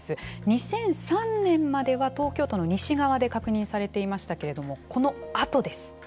２００３年までは東京都の西側で確認されていましたけれどもこのあとです。